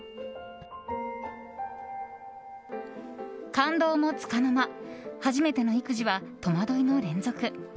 感動もつかの間初めての育児は戸惑いの連続。